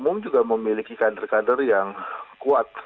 umum juga memiliki kader kader yang kuat